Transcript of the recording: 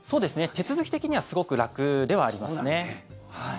手続き的にはすごく楽ではありますね。